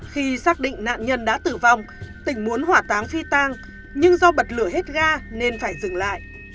khi xác định nạn nhân đã tử vong tỉnh muốn hỏa táng phi tang nhưng do bật lửa hết ga nên phải dừng lại